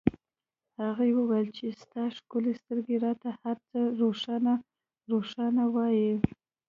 هغې وویل چې ستا ښکلې سترګې راته هرڅه روښانه روښانه وایي